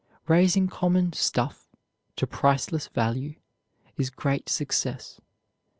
Raising common "stuff" to priceless value is great success.